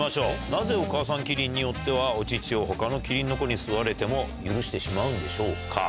なぜお母さんキリンによっては、お乳をほかのキリンの子に吸われても許してしまうんでしょうか。